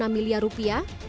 satu enam miliar rupiah